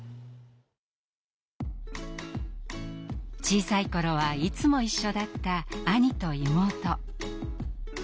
小さい頃はいつも一緒だった兄と妹。